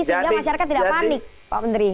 sehingga masyarakat tidak panik